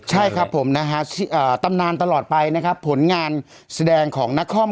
ใช่ครับผมนะฮะตำนานตลอดไปนะครับผลงานแสดงของนคร